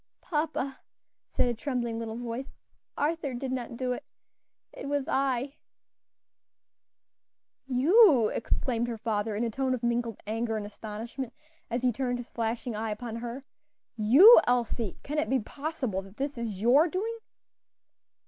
"Papa," said a trembling little voice, "Arthur did not do it; it was I." "You," exclaimed her father, in a tone of mingled anger and astonishment, as he turned his flashing eye upon her, "you, Elsie! can it be possible that this is your doing?"